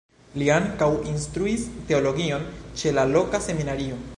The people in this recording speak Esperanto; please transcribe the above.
Li ankaŭ instruis teologion ĉe la loka seminario.